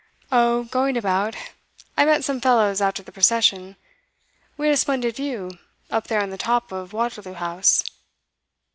'Oh, going about. I met some fellows after the procession. We had a splendid view, up there on the top of Waterloo House.